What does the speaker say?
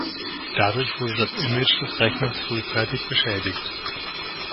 Dadurch wurde das Image des Rechners frühzeitig beschädigt.